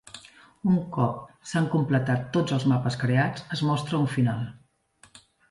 Un cop s'han completat tots els mapes creats, es mostra un final.